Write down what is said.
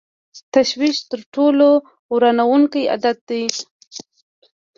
تشویش تر ټولو ورانوونکی عادت دی.